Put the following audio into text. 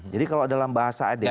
jadi kalau dalam bahasa dpp